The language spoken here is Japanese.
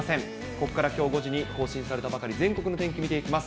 ここからきょう５時に更新されたばかり、全国の天気見ていきます。